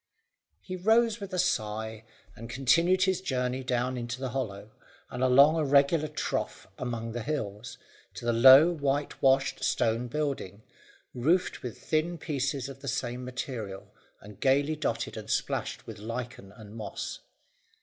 He rose with a sigh, and continued his journey down into the hollow, and along a regular trough among the hills, to the low, white washed stone building, roofed with thin pieces of the same material, and gaily dotted and splashed with lichen and moss.